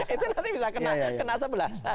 itu nanti bisa kena sebelah